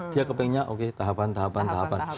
dia kepengennya oke tahapan tahapan tahapan